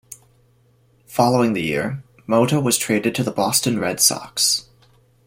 Following the year, Mota was traded to the Boston Red Sox.